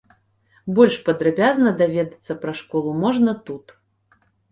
Больш падрабязна даведацца пра школу можна тут.